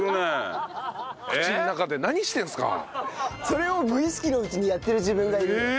それを無意識のうちにやってる自分がいるの。